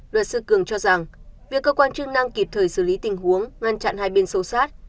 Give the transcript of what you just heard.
luật sư cường cho rằng việc cơ quan chức năng kịp thời xử lý tình huống ngăn chặn hai bên sâu sát